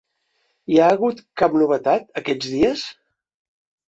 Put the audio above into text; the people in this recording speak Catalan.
Hi ha hagut cap novetat, aquests dies?